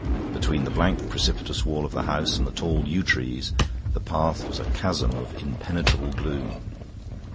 Between the blank precipitous wall of the house and the tall yew trees the path was a chasm of impenetrable gloom.